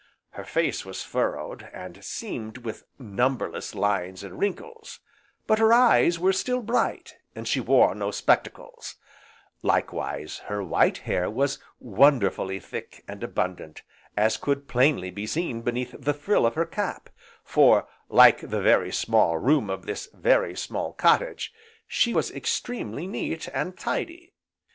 Her face was furrowed, and seamed with numberless lines and wrinkles, but her eyes were still bright, and she wore no spectacles; likewise her white hair was wonderfully thick, and abundant, as could plainly be seen beneath the frill of her cap, for, like the very small room of this very small cottage, she was extremely neat, and tidy.